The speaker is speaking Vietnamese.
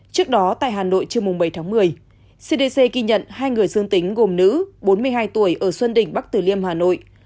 trước đó tại hà nội trưa bảy tháng một mươi cdc ghi nhận hai người dương tính gồm nữ bốn mươi hai tuổi ở xuân đình bắc tử liêm hà nội